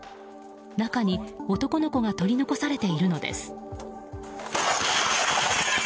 中に、男の子が取り残されているのです。